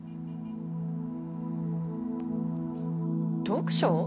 読書？